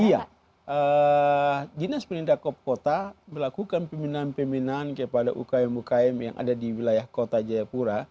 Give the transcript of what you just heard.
iya dinas pendidikan kota melakukan pembinaan pembinaan kepada ukm ukm yang ada di wilayah kota jayapura